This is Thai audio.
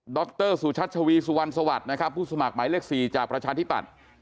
รสุชัชวีสุวรรณสวัสดิ์นะครับผู้สมัครหมายเลข๔จากประชาธิปัตย์